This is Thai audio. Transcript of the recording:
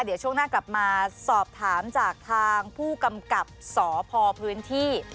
เดี๋ยวช่วงหน้ากลับมาสอบถามจากทางผู้กำกับสพพื้นที่